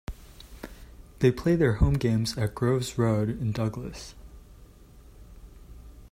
They play their home games at Groves Road in Douglas.